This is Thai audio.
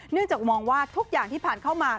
เนื่องจากมองว่าทุกอย่างที่ผ่านเข้ามา